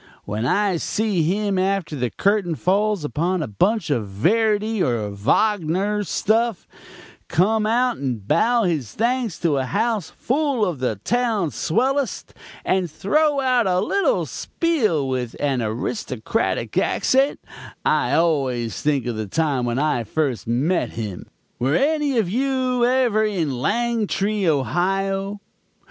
When I see him after the curtain falls upon a bunch of Verdi or Wagner stuff, come out and bow his thanks to a house full of the town's swellest, and throw out a little spiel with an aristocratic accent, I always think of the time when I first met him. "Were any of you ever in Langtry, Ohio?